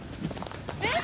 えっ？